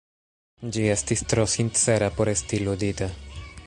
Ĝi estis tro sincera por esti ludita.